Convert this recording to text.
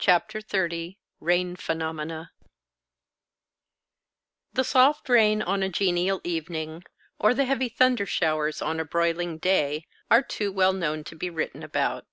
CHAPTER XXX RAIN PHENOMENA The soft rain on a genial evening, or the heavy thunder showers on a broiling day, are too well known to be written about.